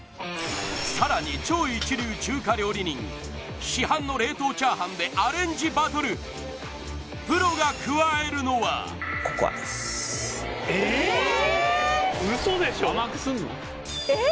さらに超一流中華料理人市販の冷凍炒飯でアレンジバトルプロが加えるのはえーっ！？